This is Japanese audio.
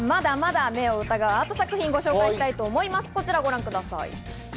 まだまだ目を疑うアート作品をご紹介したいと思います。